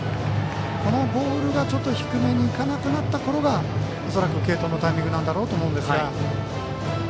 このボールが低めにいかなくなったころが恐らく継投のタイミングだと思うんですが。